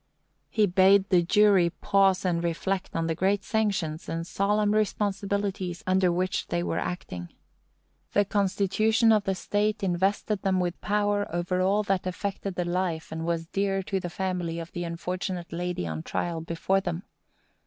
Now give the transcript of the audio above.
He bade the jury pause and reflect on the great sanctions and solemn responsibilities under which they were acting. The constitution of the state invested them with power over all that affected the life and was dear to the family of the unfortunate lady on trial before them.